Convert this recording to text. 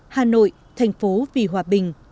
hà nội thành phố vì hòa bình